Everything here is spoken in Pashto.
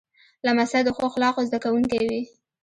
لمسی د ښو اخلاقو زده کوونکی وي.